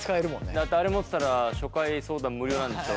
だってあれ持ってたら初回相談無料なんでしょ。